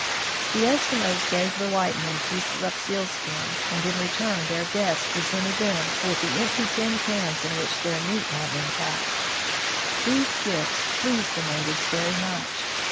The Eskimos gave the white men pieces of sealskin, and in return their guests presented them with the empty tin cans in which their meat had been packed. These gifts pleased the natives very much.